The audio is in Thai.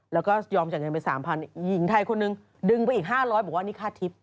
แล้วก็ยอมจัดเงินไป๓๐๐๐บาทหญิงไทยคนนึงดึงไปอีก๕๐๐บาทบอกว่าอันนี้ค่าทิศ